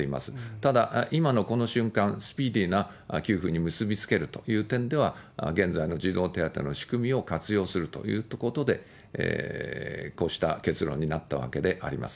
ただ、今のこの瞬間、スピーディーな給付に結びつけるという点では、現在の児童手当の仕組みを活用するということで、こうした結論になったわけであります。